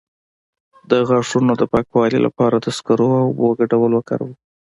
د غاښونو د پاکوالي لپاره د سکرو او اوبو ګډول وکاروئ